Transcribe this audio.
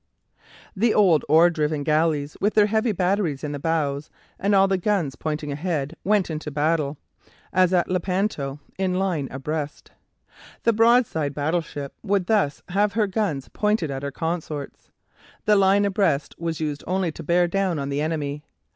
The old oar driven galleys, with their heavy batteries in the bows and all the guns pointing ahead, went into battle, as at Lepanto, in line abreast. The broadside battleship would thus have her guns pointed at her consorts. The line abreast was used only to bear down on the enemy.